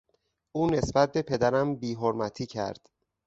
او نسبت به پدرم بیحرمتی کرد.